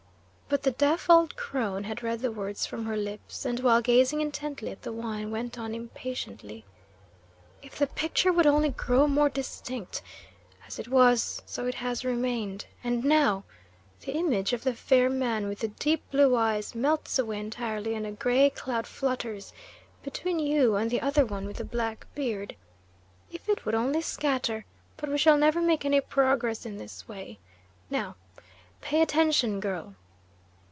But the deaf old crone had read the words from her lips, and while gazing intently at the wine, went on impatiently: "If the picture would only grow more distinct! As it was, so it has remained. And now! The image of the fair man with the deep blue eyes melts away entirely, and a gray cloud flutters between you and the other one with the black beard. If it would only scatter! But we shall never make any progress in this way. Now pay attention, girl."